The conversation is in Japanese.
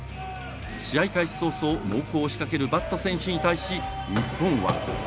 試合開始早々猛攻を仕掛けるバット選手に対し日本は。